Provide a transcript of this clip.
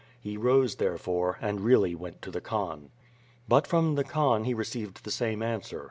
He rose, therefore, and really went to the Khan. But from the Khan he received the same answer.